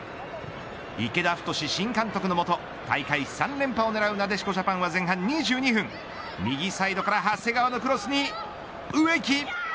池田太新監督のもと大会３連覇を狙うなでしこジャパンは前半２２分右サイドから長谷川のクロスに植木。